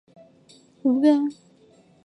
炉甘石为碳酸盐类矿物方解石族菱锌矿。